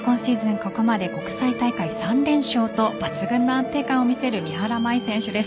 ここまで国際大会３連勝と抜群の安定感を見せる三原舞依選手です。